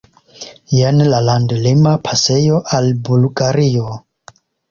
Jen la landlima pasejo al Bulgario.